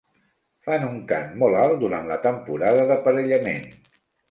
Fan un cant molt alt durant la temporada d'aparellament.